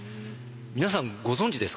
皆さんご存じですか？